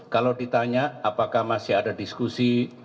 kalau ditanya apakah masih ada diskusi